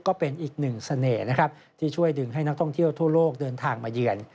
ก็เป็นอีกหนึ่งเสน่ห์นะครับที่ช่วยดึงให้นักท่องเที่ยวทั่วโลกเดินทางมาเยือน